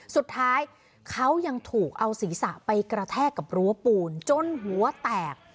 สุดท้ายเขายังถูกเอาศีรษะไปกระแทกกับรั้วปูนจนหัวแตก